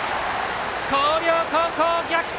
広陵高校、逆転！